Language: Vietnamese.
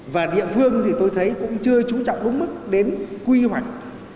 và địa phương thì tôi thấy cũng chưa trú trọng đúng mức đến quy hoạch